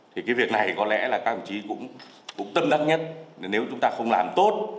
thì cái việc này có lẽ là các ông chí cũng tâm đắc nhất nếu chúng ta không làm tốt